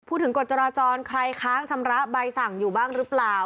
กฎจราจรใครค้างชำระใบสั่งอยู่บ้างหรือเปล่า